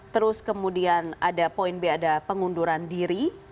terus kemudian ada poin b ada pengunduran diri